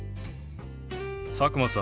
佐久間さん